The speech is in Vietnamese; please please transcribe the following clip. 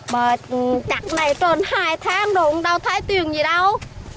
mà đặt này tròn hai tháng đâu đâu thấy tiền gì đâu